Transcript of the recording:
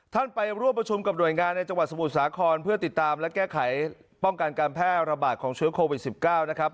ไปร่วมประชุมกับหน่วยงานในจังหวัดสมุทรสาครเพื่อติดตามและแก้ไขป้องกันการแพร่ระบาดของเชื้อโควิด๑๙นะครับ